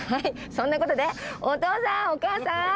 そんなことでお父さんお母さん